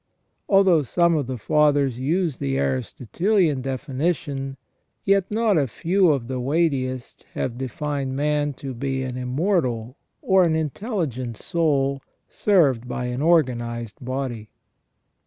Although some of the Fathers use the Aristotelian definition, yet not a few of the weightiest have defined man to be an immortal or an intelligent soul served by an organized body.